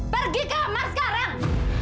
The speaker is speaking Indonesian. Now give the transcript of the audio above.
pergi ke kamar sekarang